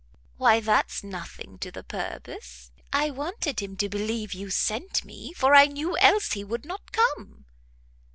"Why that's nothing to the purpose; I wanted him to believe you sent me, for I knew else he would not come."